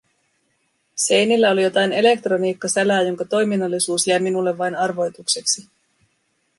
Seinillä oli jotain elektroniikkasälää, jonka toiminnallisuus jäi minulle vain arvoitukseksi.